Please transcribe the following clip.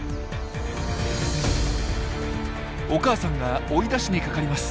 お母さんが追い出しにかかります。